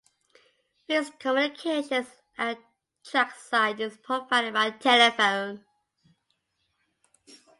Fixed communication at trackside is provided by telephone.